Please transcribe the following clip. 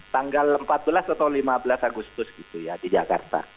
tanggal empat belas atau lima belas agustus gitu ya di jakarta